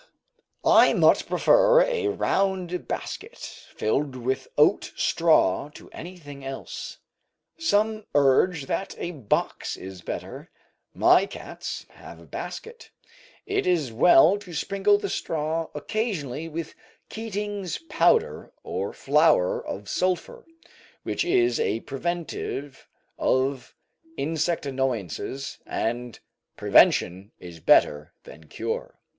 I much prefer a round basket filled with oat straw to anything else; some urge that a box is better; my cats have a basket. It is well to sprinkle the straw occasionally with Keating's Powder or flour of sulphur, which is a preventive of insect annoyances, and "Prevention is better than cure."